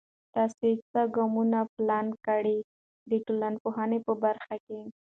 تاسې څه ګامونه پلان کړئ د ټولنپوهنې په برخه کې؟